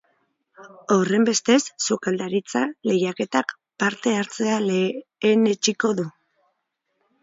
Horrenbestez, sukaldaritza lehiaketak parte hartzea lehenetsiko du.